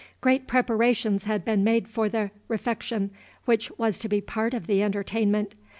Great preparations had been made for the refection which was to be part of the entertainment.